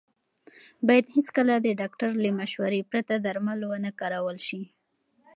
باید هېڅکله د ډاکټر له مشورې پرته درمل ونه کارول شي.